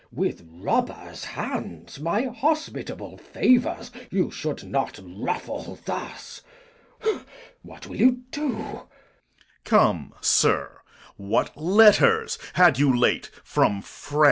With robber's hands my hospitable favours You should not ruffle thus. What will you do? Corn. Come, sir, what letters had you late from France?